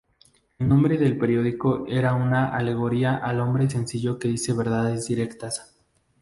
El nombre del periódico era una alegoría al hombre sencillo que dice verdades directas.